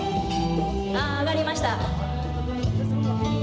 あ上がりました。